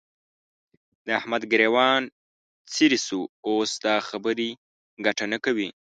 د احمد ګرېوان څيرې شو؛ اوس دا خبرې ګټه نه کوي.